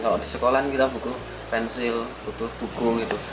kalau di sekolahan kita bukuh pensil bukuh bukung gitu